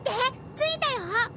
着いたよ。